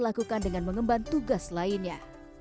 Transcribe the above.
lakukan dengan mengemban tugas lainnya